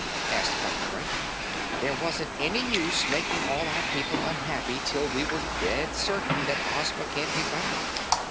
asked Button Bright. "There wasn't any use making all our people unhappy till we were dead certain that Ozma can't be found."